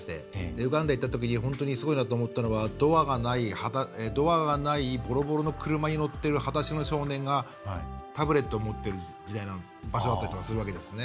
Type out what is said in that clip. ウガンダ行ったときに本当にすごいなと思ったのはドアがないボロボロの車に乗っているはだしの少年がタブレットを持ってる場所だったりするんですね。